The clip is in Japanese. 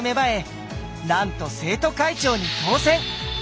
なんと生徒会長に当選。